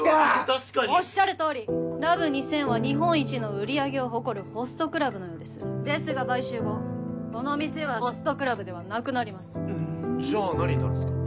確かにおっしゃるとおりラブ２０００は日本一の売り上げを誇るホストクラブのようですですが買収後この店はホストクラブではなくなりますじゃあ何になるんですか？